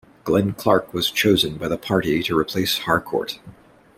Glen Clark was chosen by the party to replace Harcourt.